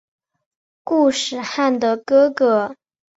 固始汗的哥哥。